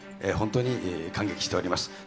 本当に感激しております。